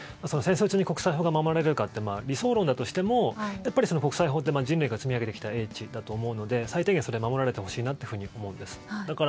戦争中に国際法が守られるかって理想論だとしてもやっぱり国際法って人類が積み上げてきた英知だと思うので最低限それは守られてほしいと思うんです。